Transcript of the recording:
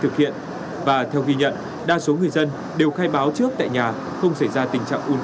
thực hiện và theo ghi nhận đa số người dân đều khai báo trước tại nhà không xảy ra tình trạng un